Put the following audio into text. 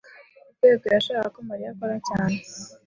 Rwego yashakaga ko Mariya akora cyane.